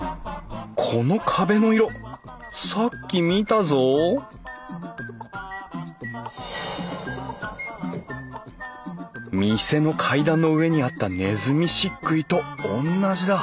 この壁の色さっき見たぞ店の階段の上にあったねずみ漆喰とおんなじだ